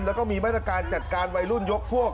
และก็มีบ้านการณ์จัดการวัยรุ่นยกพวก